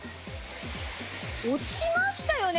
落ちましたよね？